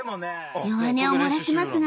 ［弱音を漏らしますが］